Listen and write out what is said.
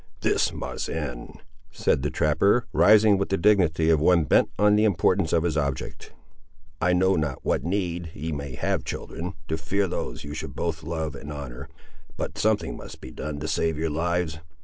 "This must end," said the trapper, rising with the dignity of one bent only on the importance of his object. "I know not what need ye may have, children, to fear those you should both love and honour, but something must be done to save your lives.